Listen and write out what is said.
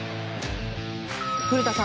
古田さん